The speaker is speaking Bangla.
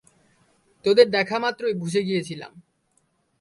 তোদের দেখামাত্রই বুঝে গিয়েছিলাম।